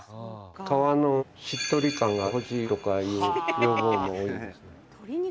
「革のしっとり感が欲しい」とかいう要望も多いですね。